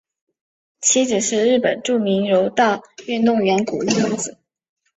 妻子是日本著名柔道运动员谷亮子。